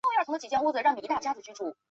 是第一次国共内战主要战斗之一。